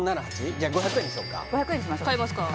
じゃあ５００円にしようか買いますか？